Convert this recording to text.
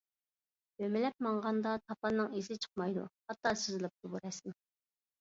ئۆمىلەپ ماڭغاندا تاپاننىڭ ئىزى چىقمايدۇ. خاتا سىزىلىپتۇ بۇ رەسىم.